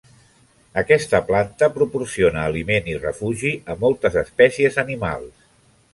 Aquesta planta proporciona aliment i refugi a moltes espècies animals.